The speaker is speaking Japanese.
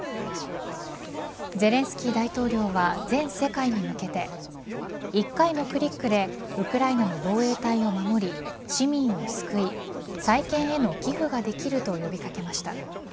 ゼレンスキー大統領は全世界に向けて１回のクリックでウクライナの防衛隊を守り市民を救い再建への寄付ができると呼び掛けました。